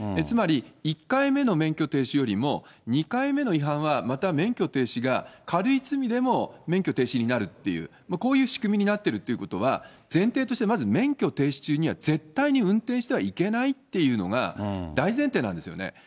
つまり１回目の免許停止よりも、２回目の違反は、また免許停止が軽い罪でも免許停止になるっていう、こういう仕組みになってるっていうことは、前提としてまず免許停止中には絶対に運転してはいけないっていうのが大前提なんですよね。